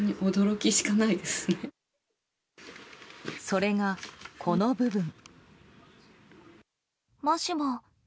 それが、この部分。